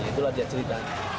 itulah dia cerita